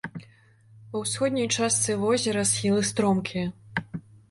Ва ўсходняй частцы возера схілы стромкія.